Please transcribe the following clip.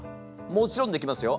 もちろんできますよ。